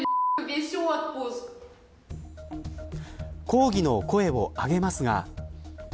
抗議の声をあげますが。